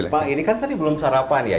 pak ini kan tadi belum sarapan ya